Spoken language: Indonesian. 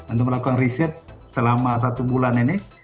untuk melakukan riset selama satu bulan ini